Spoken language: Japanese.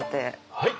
はい！